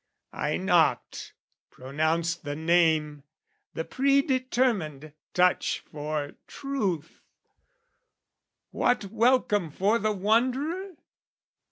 I knocked pronounced The name, the predetermined touch for truth, "What welcome for the wanderer?